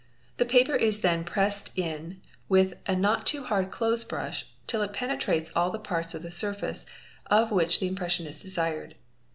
The paper is then pressed — in with a not too hard clothes brush till it penetrates all the parts of the surface of which the impression is desired.